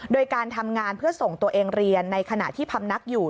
โดยการทำงานเพื่อส่งตัวเองเรียนในขณะที่พำนักอยู่